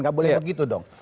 gak boleh begitu dong